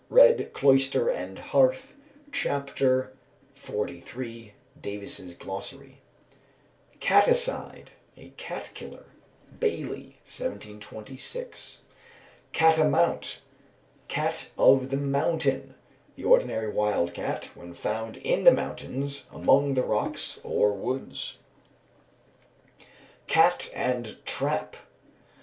Read Cloister and Hearth, chap, xliii. (Davis' "Glossary.") Catacide. A cat killer (BAILEY, 1726). Catamount. Cat of the mountain, the ordinary wild cat, when found on the mountains, among the rocks or woods. _Cat and trap.